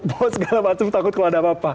bot segala macam takut kalau ada apa apa